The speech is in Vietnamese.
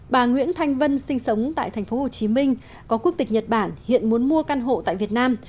bà nguyễn thanh vân sinh sống tại tp hcm có quốc tịch nhật bản hiện muốn mua căn hộ tại việt nam